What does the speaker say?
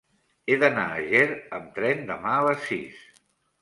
He d'anar a Ger amb tren demà a les sis.